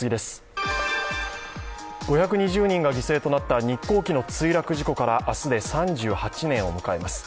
５２０人が犠牲となった日航機の墜落事故から明日で３８年を迎えます。